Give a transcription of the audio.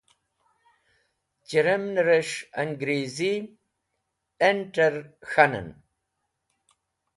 Chẽremnẽrẽs̃h Ẽngrizir int̃ar (intẽr) k̃hanẽn